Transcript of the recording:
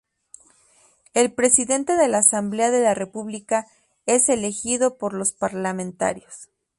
El presidente de la Asamblea de la República es elegido por los parlamentarios.